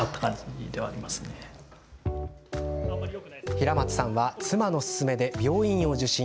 平松さんは妻の勧めで病院を受診。